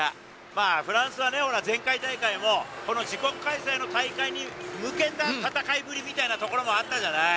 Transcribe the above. フランスは前回大会も自国開催の大会に向けた戦いぶりみたいなところもあったじゃない。